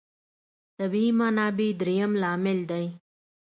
طبیعي منابع درېیم لامل دی.